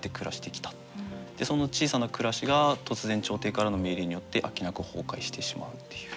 その小さな暮らしが突然朝廷からの命令によってあっけなく崩壊してしまうっていう。